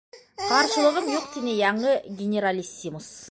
- Ҡаршылығым юҡ, - тине яңы «генералиссимус».